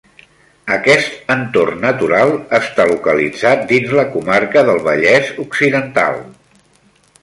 Aquest entorn natural està localitzat dins la comarca del Vallès Occidental.